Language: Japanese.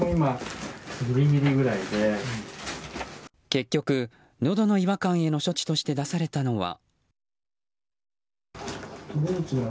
結局、のどの違和感への処置として出されたのは。